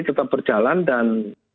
tetap berjalan dan